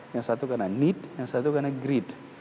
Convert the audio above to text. yang satu karena need yang satu karena great